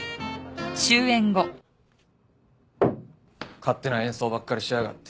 勝手な演奏ばっかりしやがって。